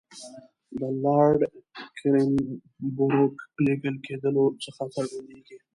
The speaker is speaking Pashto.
د لارډ کرېنبروک لېږل کېدلو څخه څرګندېږي.